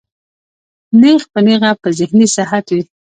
نېغ پۀ نېغه پۀ ذهني صحت وي